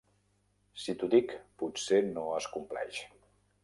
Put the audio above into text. Si t'ho dic potser no es compleix.